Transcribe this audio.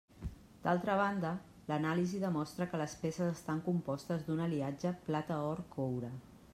D'altra banda, l'anàlisi demostrà que les peces estan compostes d'un aliatge plata-or-coure.